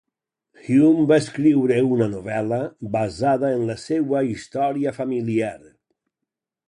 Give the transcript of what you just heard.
Hume va escriure una novel·la basada en la seua història familiar.